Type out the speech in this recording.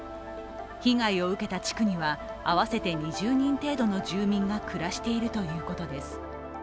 被害を受けた地区には、合わせて２０人程度の住民が暮らしているということです。